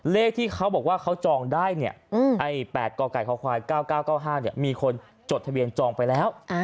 เลขที่เขาบอกว่าเขาจองได้เนี่ยไอ้๘๙๙๙๕เนี่ยมีคนจดทะเบียนจองไปแล้ว